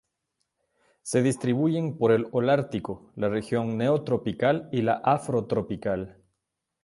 Se distribuyen por el holártico, la región neotropical y la afrotropical.